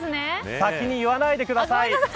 先に言わないでください。